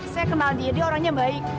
saya kenal dia dia orangnya baik